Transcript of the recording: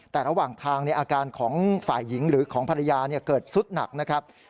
แต่ระหว่างทางอาการของฝ่ายหญิงหรือของภรรยาเกิดสุดหนักนะครับ